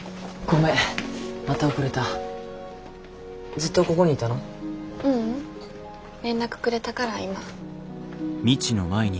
ううん連絡くれたから今。